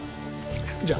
じゃあ。